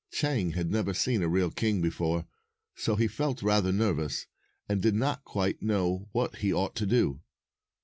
Chang had never seen a real king before, so he felt rather nervous, and did not quite know what he ought to do.